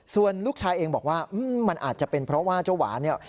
ส่วนลูกชายเองบอกว่ามันอาจจะเป็นเพราะว่าเจ้าหวานเนี่ย